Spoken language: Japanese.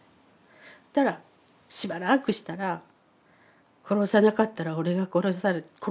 そしたらしばらくしたら「殺さなかったら俺が殺された」。